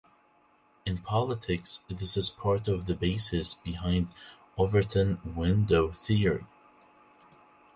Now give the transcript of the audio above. In politics, this is part of the basis behind Overton window theory.